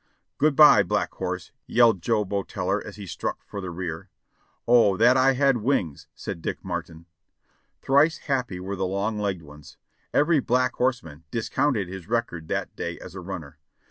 "Good by, Black Horse!"' yelled Joe Boeteller as he struck for the rear. "O, that I had wings!" said Dick Martin. Thrice happy were the long legged ones. Every Black Horse man discounted his record that day as a runner.